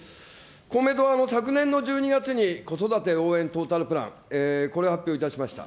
公明党は昨年の１２月に子育て応援トータルプラン、これを発表いたしました。